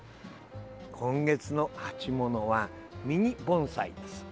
今月の鉢ものはミニ盆栽です。